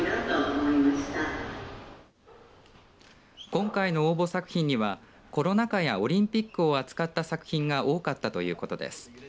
今回の応募作品にはコロナ禍やオリンピックを扱った作品が多かったということです。